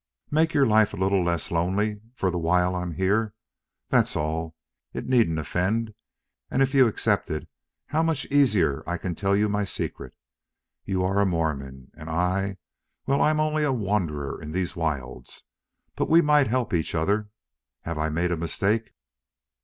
Make your life a little less lonely for the while I'm here. That's all. It needn't offend. And if you accept it, how much easier I can tell you my secret. You are a Mormon and I well, I am only a wanderer in these wilds. But we might help each other.... Have I made a mistake?"